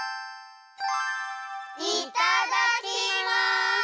いただきます！